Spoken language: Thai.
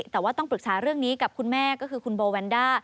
แต่ว่าต้องปรึกษาเรื่องนี้กับคุณแม่ก็คือคุณโบแวนด้า